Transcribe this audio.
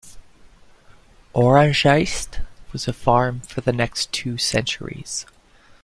"Oranjezicht" was a farm for the next two centuries.